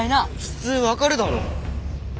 普通分かるだろ。